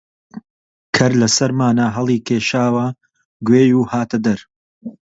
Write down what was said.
کەر لە سەرمانا هەڵیکێشاوە گوێی و هاتە دەر